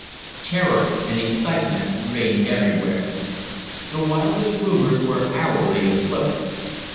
Terror and excitement reigned everywhere. The wildest rumours were hourly afloat.